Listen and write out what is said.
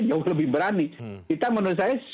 jauh lebih berani kita menurut saya